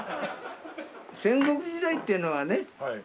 戦国時代っていうのはね